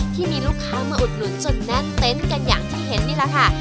ที่มีลูกค้ามาอุดลุ้นจนแน่นเต้นกันอย่างที่เห็นนี่สิ